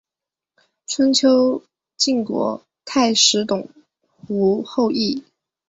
春秋晋国太史董狐后裔。